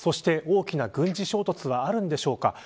大きな軍事衝突はあるんでしょうか。